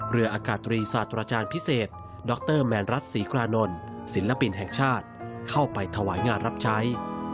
เรืออากาศตรีศาสตราจารย์พิเศษดรแมนรัฐศรีกรานนท์ศิลปินแห่งชาติเข้าไปถวายงานรับใช้